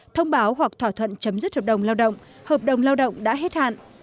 thông báo hoặc thỏa thuận chấm dứt hợp đồng lao động hợp đồng lao động đã hết hạn